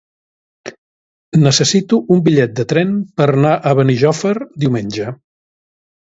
Necessito un bitllet de tren per anar a Benijòfar diumenge.